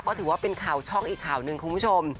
ก็ถือว่าเป็นข่าวช่องอีกข่าวหนึ่งคุณผู้ชม